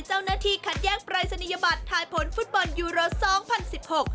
เจ้าหน้าที่คัดแยกปรายศนียบัตรถ่ายผลฟุตบอลยูโร่๒๐๑๖